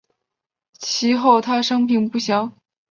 其后他生平不详。